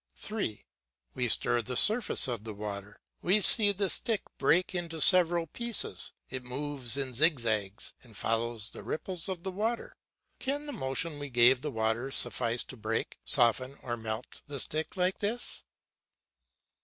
3. We stir the surface of the water; we see the stick break into several pieces, it moves in zigzags and follows the ripples of the water. Can the motion we gave the water suffice to break, soften, or melt the stick like this?